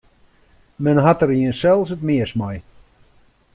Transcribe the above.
Men hat der jinsels it meast mei.